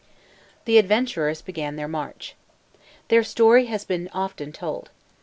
The adventurers began their march. Their story has been often told.